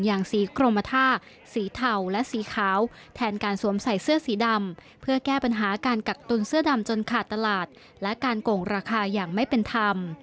สีกรมท่าสีเทาและสีขาวแทนการสวมใส่เสื้อสีดำเพื่อแก้ปัญหาการกักตุลเสื้อดำจนขาดตลาดและการโกงราคาอย่างไม่เป็นธรรม